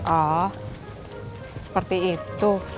oh seperti itu